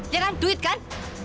ya kan duit kan